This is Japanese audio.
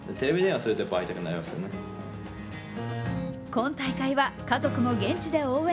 今大会は家族も現地で応援。